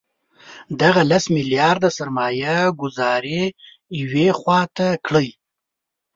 دغه لس میلیارده سرمایه ګوزاري یوې خوا ته کړئ.